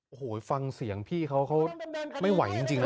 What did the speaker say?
โอ้โหฟังเสียงพี่เขาเขาไม่ไหวจริงนะ